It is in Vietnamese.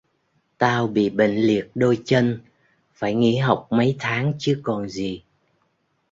tao bi bệnh liệt đôi chân phải nghỉ học mấy tháng chứ còn gì